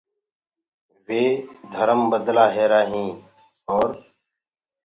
وي مجب بدلآهيرآ هينٚ اور